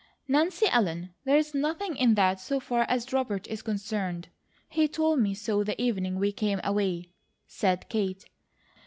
"Nancy Ellen, there's nothing in that, so far as Robert is concerned. He told me so the evening we came away," said Kate.